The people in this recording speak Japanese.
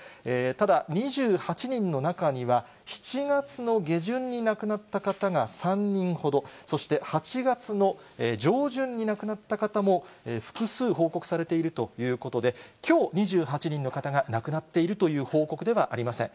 ただ、２８人の中には７月の下旬に亡くなった方が３人ほど、そして８月の上旬に亡くなった方も複数報告されているということで、きょう２８人の方が亡くなっているという報告ではありません。